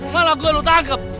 malah gue lu tangkap